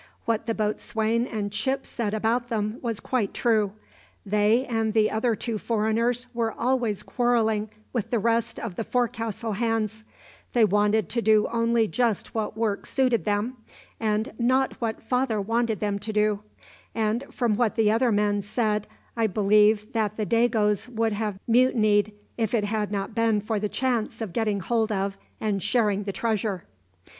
"What the boatswain and Chips said about them was quite true. They and the other two foreigners were always quarrelling with the rest of the forecastle hands; they wanted to do only just what work suited them, and not what Father wanted them to do; and from what the other men said I believe that the Dagoes would have mutinied if it had not been for the chance of getting hold of and sharing the treasure."